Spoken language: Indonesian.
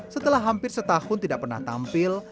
setelah hampir setahun tidak pernah tampil